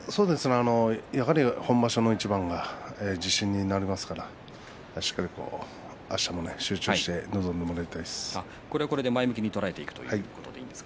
やはり本場所の一番が自信になりますからしっかりとあしたも集中して臨んでもらいたいです。